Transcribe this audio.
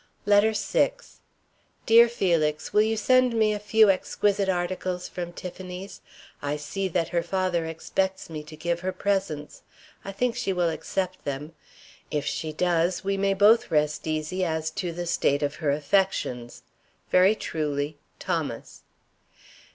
LETTER VI. DEAR FELIX: Will you send me a few exquisite articles from Tiffany's? I see that her father expects me to give her presents. I think she will accept them. If she does, we may both rest easy as to the state of her affections. Very truly, THOMAS.